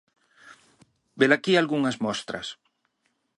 Velaquí algunhas mostras.